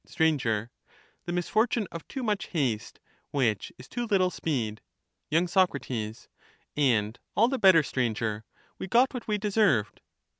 Str, The misfortune of too much haste, which is too little speed. "~ y. Soc. And all the better, Stranger ; we got what we deserved.